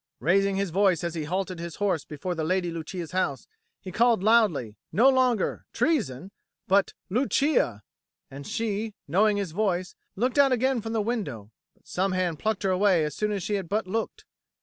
Raising his voice as he halted his horse before the Lady Lucia's house, he called loudly, no longer "Treason!" but "Lucia!" And she, knowing his voice, looked out again from the window; but some hand plucked her away as soon as she had but looked.